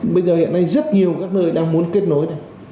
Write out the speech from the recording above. bây giờ hiện nay rất nhiều các nơi đang muốn kết nối